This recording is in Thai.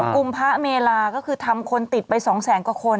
กลุ่มพระเมลาก็คือทำคนติดไป๒แสนกว่าคน